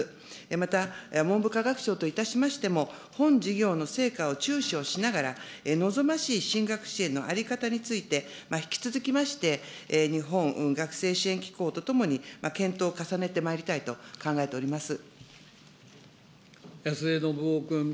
また文部科学省といたしましても、本事業の成果を注視をしながら、望ましい進学支援の在り方について、引き続きまして、日本学生支援機構とともに検討を重ねてまいりたいと考えておりま安江伸夫君。